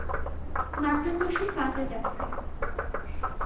মাধ্যাকর্ষণ পাল্টে যাচ্ছে।